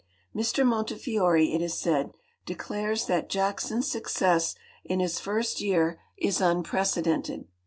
Mr Montefiore, it is said, declares that Jackson's success in his first year is unprecedented.